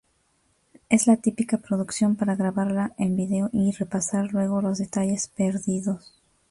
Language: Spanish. Es la típica producción para grabarla en vídeo y repasar luego los detalles perdidos.